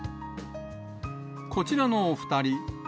こちらのお２人。